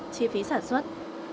chi phí sản xuất